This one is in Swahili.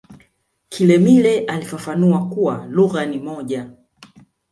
kilemile alifafanua kuwa lugha ni moja